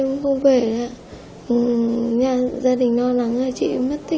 thầy xin cảm ơn các nhà gia đình rất nhiều tay quan trọng